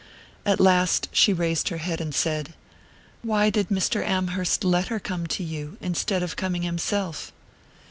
At last she raised her head and said: "Why did Mr. Amherst let her come to you, instead of coming himself?"